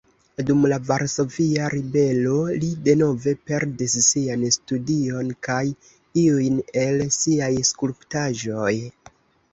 Dum la Varsovia Ribelo li denove perdis sian studion kaj iujn el siaj skulptaĵoj.